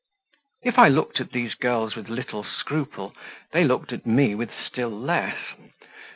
If I looked at these girls with little scruple, they looked at me with still less.